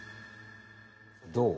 どう？